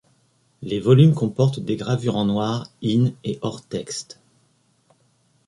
Les volumes comportent des gravures en noir in- et hors-texte.